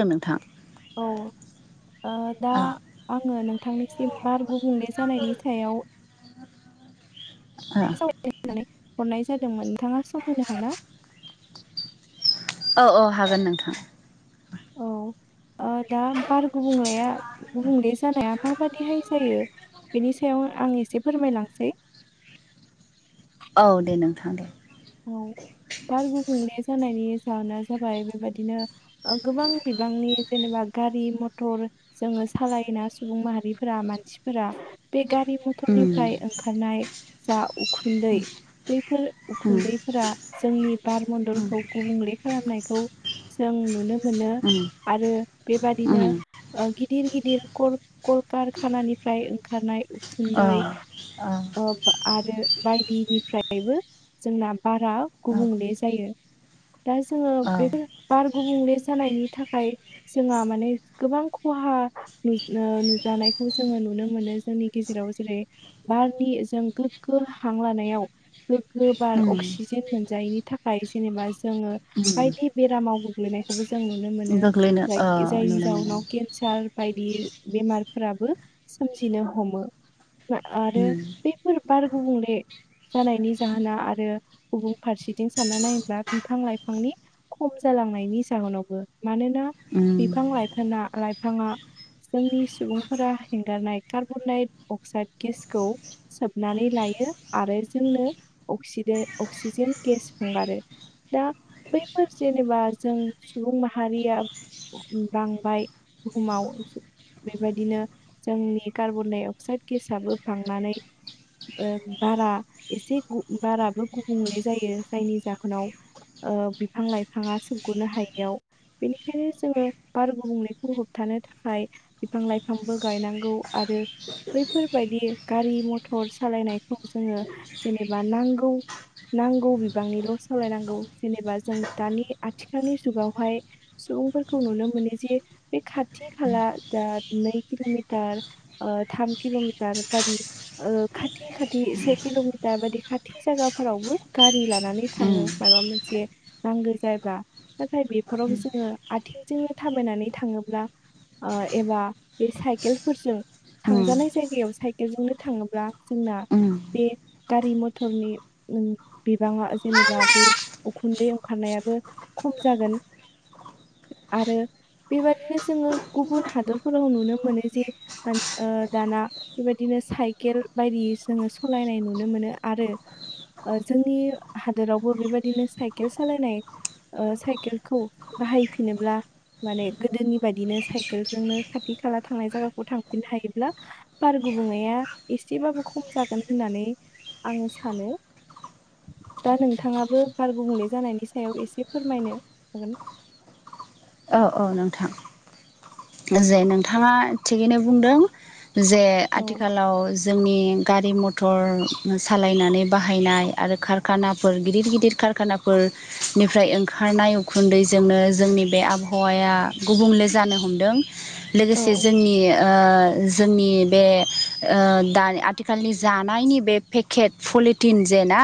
औ नोंथां [inaudible] औ दा औ आङो नोंथांनिसिम बार गुबुंले जानायनि सायाव, [unintelligible] ओ नानै हरनाय जादोंमोन नोंथाङा समहोनो हागोनना? औ औ हागोन नोंथां। औ ओ दा गा गुबुंलेया गुबुंले जानाया माबादिहाय जायो बेनि सायाव आं एसे फोरमायलांनिसै औ दे नोंथां दे औ बार गुबुंले जानायनि जाहोना जाबाय बेबादिनो ओ गोबां बिबांनि जेनेबा गारि मथर जोङो सालायोना सुबुं माहारिफोरा मानसिफोरा बे गा रि उम मथरनिफ्राय ओंखारनाय जा उखुन्दै बेफोर उम फोरा जोंनि बार म्न्दलखौ गुबुंले खालामनायखौ जों नुनो मोनो उम आरो बेबादिनो उम उम ओ गिदिर गिदिर कल कलकारखाननिफ्राय ओंखारनाय औ उखुन्दै औ अब आरो बायदिनिफ्रायबो जोंना बारा औ गुबुंले जायो। दा जोङो औ बेफोर बार गुबुंले जानायनि थाखाय जोंहा माने गोबां खहा नु ओ नुजानायखौ जोङो नुनो मोनो जोंनि गेजेराव जेरै बारनि जों गोग्गो हां लानायाव गोबार उम अक्सिजेन मोनजायैनि थाखाय जेनेबा जोङो उम बायदि बेरामाव गोग्लैनायखौबो जों नुनो मोनो गोग्लैनो ओ जायखि जायनि नुनो मोनो जउनाव केन सार बायदि बेमारफोराबो सोमजिनो हमो। आरो उम बेफोर बार गुबुंले जानायनि जाहोना आरो गुबुन फारसेथिं सानना नायोब्ला बिफां लाइफांनि खम जालांनायनि जाहोनावबो मानोना उम बिफां लाइफोङा लाइफाङा जोंनि सुबुंफोरा हेंगारनाय कार्बनाइट अक्साइड गेसखौ सोबनानै लायो आरो जोंनो अक्सिदे अक्सिजेन गेस हगारो। दा बैफोर जेनेबा जों सुबुं माहारिया बांबाय बुहुमाव। बेबायदिनो जोंनि कार्बन-डाइ अक्साइड गेसाबो बांनानै ओ बारा एसे गु बाराबो गुबुंले जायो जायनि जाहोनाव ओ बिफां लाइफाङा सोबग'नो हायियाव। बेनिखायनो जोङो बार गुबुंलेखौ होबथानो थाखाय बिफां लाइफांबो गायनांगौ आरो बैफोरबायदि गारि मथर सालायनायखौ जोङो जेनेबा नांगौ नांगौ बिबांनिल' सालायनांगौ जेनेबा जों दानि आथिखालनि जुगावहाय सुबुंफोरखौ नुनो मोनो जे बे खाथि खाला दा नै किल'मिटार ओ थाम किल'मिटार बादि ओ खाथि खाथि से किल'मिटार बादि खाथि जायगाफोरावबो गारि लानानै थाङो उम मायबा मोनसे नांगौ जायोब्ला नाथाय बेफोराव जोङो आथिंजोंनो थाबायनानै थाङोब्ला ओ एबा बे साइकेलफोरजों उम थांजानाय जायगायाव साइकेलजोंनो थाङोब्ला जोंना उम बे गारि म थरनि उम बिबाङा जेनेबा बे उखुन्दै ओंखारनायाबो खम जागोन आरो बेबादिनो जोङो गुबुन हादरफोराव नुनो मोनो जे ओ दाना बेबायदिनो साइकेल बायदियै जोङो सलायनाय नुनो मोनो। आरो ओ जोंनि हादोरावबो बेबायदिनो साइकेल सालायनाय ओ साइकेलखौ बाहायफिनोब्ला माने गोदोनि बायदिनो साइकेलजोंनो खाथि खाला थांनाय जायगाखौ थांफिननो हायोब्ला बार गुबुंनाया एसेबाबो खम जागोन होननानै आङो सानो। दा नोंथाङाबो बार गुबुंले जानायनि सायाव एसे फोरमायनो हागोन औ औ नोंथां। जे नोंथाङा थिगैनो बुंदों जे औ आथिखालाव जोंनि गारि मथर सालायनानै बाहायनाय आरो कारखानाफोर गिदिर गिदिर खानाफोरनिफ्राय ओंखारनाय उखुन्दैजोंनो जोंनि बे आब आबहावाया गुबुंले जानो हमदों लोगोसे औ जोंनि ओ जोंनि बे ओ दानि आथिखालनि जानायनि बे पेकेट पलिटिन जे ना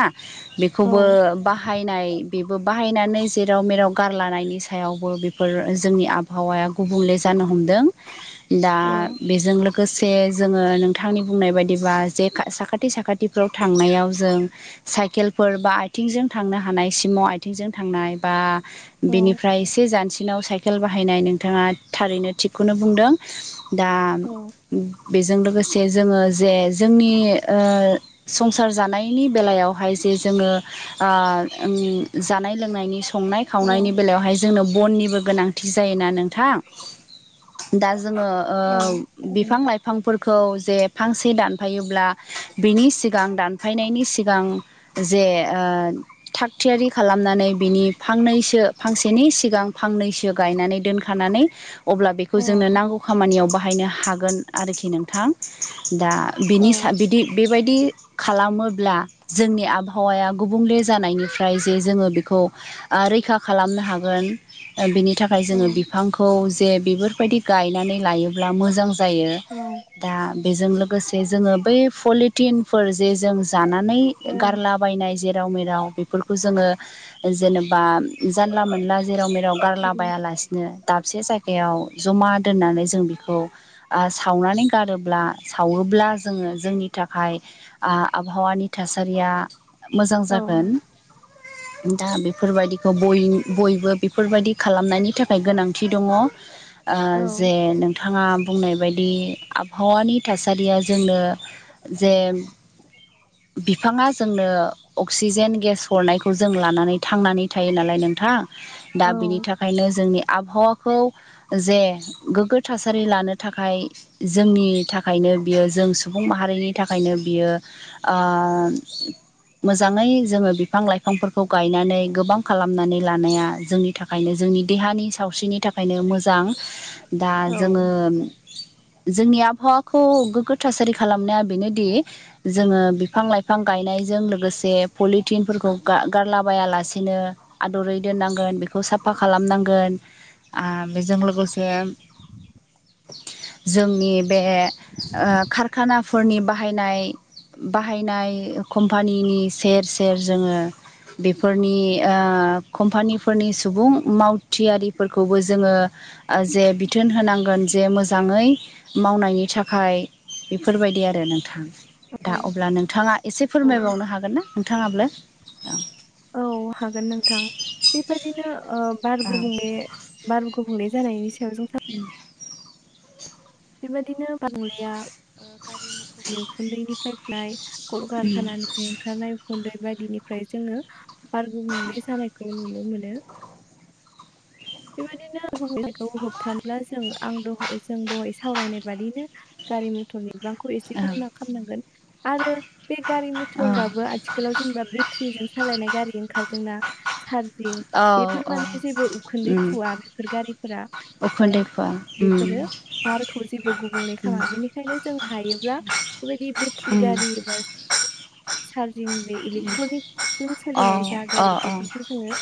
बेखौबो औ बाहायनाय बेबो बाहायनानै जेराव मेराव गारलानि सायावबो बेफोर जोंनि आबहावाया गुबुंले जानो हम दा बेजों लोगोसे जोङो नोंथांनि बुंनाय बायदिबा जे साखाथि साखाथिफ्राव थांनायाव जों साइकेलफोर बा आथिंजों थांनो हानाय सिमाव आथिंजों थांनाय बा औ बेनिफ्राय एसे जानस सेल बायनाय नोंथाङा थारैनो थिखौनो बुंदों दा औ जों लोगोसे जोङो जे जोंनि संसार जानायनि बेलायावहाय जे जोङो जानाय लोंनायनि संनाय औ खावनायनि बेलायावहाय जोंनो बननिबो गोनांथि जायोना नोंथां दा जोङो औ थारैनो बिफां लाइफांफोरखौ जे फांसे दान थफायोब्ला बिनि सिगां दान थफायनायनि सिगां जे थाग थयारि खालामनानै बिनि फांनै ो फांसेनि सिगां फांनैसो गायनानै दोनखानानै अब्ला बेखौ औ जोंनो नांगौ खामानियाव बाहायनो हागोन आरोखि नोंथां दा औ बिनि स बिदि बेबायदि खालामोब्ला जोंनि आबहावाया गुबुंले जानायनिफ्राय जे जोङो बेखौ रैखा खालामनो हागोन। बिनि थाखाय औ जोङो बिफांखौ जे बेफोरबायदि गायनानै लायो। अ मोजां ज औ दा बेजों लोगोसे जोङो ब। तटिनफोर जे जों जानानै औ गारला। ायनाय जेराव मेराव बेफोरखौ जोङ जेनेबा जानला मोनला जेराव मेराव। ह गारला बायालासिनो दाबसे जायगायाव जमा दोननानै जों बेखौ। ओ सावनानै गारोब्ला सावोब्ला जोङो जोंनि थाखाय आबहावानि थासारिया मोजां जागोन। दा बेफोरबायदिखौ बय बयबो बेफोरबायदि खालामनायनि थाखाय गोनांथि दङ औ जे नोंथां। बिथाङा बुंनाय बायदि आबहावानि थासारिया जोंनो। जे [inaudible] बिफाङा जोंनो अक्सिजेन गेस हरनायखौ जों लानानै थांनानै थायो नालाय नोंथां। दा औ बेनि थाखायनो जोंनि आबहावा खौ जे गोग्गो थासारि लानो थाखाय। जोंनि थाखायनो बियो जों सुबुं माहारिनि थाखायनो बियो आ। मोजाङै जोङो बिफां लाइफांफोरखौ गायनानै गोबां खालामनानै लानाया। जोंनि थाखायनो जोंनि देहानि सावस्रिनि थाखाय ओंखायनो मोजां दा औ जोङो। जोंनि आबहावाखौ गोग्गो थासारि खालामनाया बेनोदि। जोङो बिफां लाइफां गायनायजों लोगोसे पलिथििनफोरखौ गारला बायालासेनो आदरै दोननांगोन बेखौ साफा खालामनांगोन बेजों लोगोसे जोंनि बे कारखानाफोरनि बाहायनाय। बाहायनाय कम्पानिनि सेर सेर जोङो। बेफोरनि कम्पानि फोरनि सुबुं मावथियारिफोरखौबो जोङो। ओ जे बिथोन होनांगोन जे मोजाङै। मावनायनि थाखाय बेफोरबायदि आरो नोंथां। औ दा अब्ला नोंथाङा एसे औ फोरमायबावनो हागोन ना नोंथाङाब्लो औ। औ हागोन नोंथां बेबायदिनो बार औ गुबुंले बारु गुबफुंनै जानायनि सायाव जों उम। बेबायदिनो बार गुबुंलेया ओ गारि मथरनि उखुन्दैनिफ्राय गनाय कलखारखानानि ओंखारनाय उखुन्दै बायदिनिफ्राय जोङो बार गुबुंले जानायखौ नुनो मोनो। बेबायदिनो गुबुंले जानायखौ होबथानोला जों आं द जों दहाय सावरायनाय बादिनो। गारि मथरनि बिबांखौ एसे खमना खामनांगोन आरो। बे गारि मथराबो औ आथिखालाव जेनेबा बेटरिजों सालायनाय गारि ओंखारदोंना सार जिं औ बेफोर औ माने जेबो उखुन्दै उम खुवा बेफोर गारिफोरा ओ उखुन्दैखौ उम बेफोरो बारखौ जेबो गुबुंले उम खा बेनिखायनो जों हायोब्ला। बेबायदि बेट्रि उम गारि बा चार्जिंनि इलेक्ट्रनिक जों अ सोलिनाय जा अ गारि अ बेफोरखौ जोङो।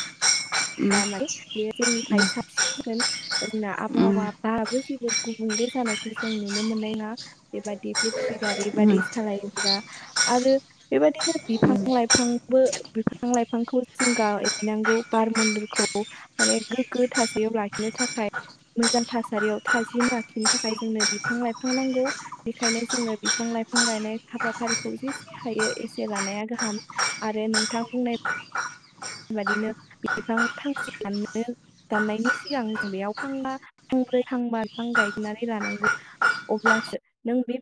उम जामाय बेयो जोंनिफाय साबसिन जागोन जोना उम आबहावाफ्राबो जेबो। गुबुंले जानायखौ जों नुनो मोननायङा बेबदि बेट्रि गारि उम बादि सालायोब्ला। आरो। बेबायदिनो बिफां उम लाइफांबो बिफां लाइफांखौ जों गायनांगौ बार मन्दलखौ। माने गोगो थासारियाव लाखिनो थाखाय। मोजां थासारियाव थाजिम आखिनो थाखाय जोंनो बिफां लाइफां नांगौ। बेखायनो जोङो बिफां लाइफां गायनाय हाबाफारिखौ जेसे हायो एसे लानाया गाहाम आरो नोंथां बुंनाय। बादिनो बिफां फांसे दान्नो। दाननायनि सिगां जों बेयाव फांबा फांब्रै फांबा बिफां गायनानै लानांगौ। अब्लासो नों बे